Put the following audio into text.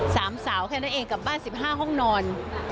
สามสาวแค่นั้นเองกับบ้านสิบห้าห้องนอน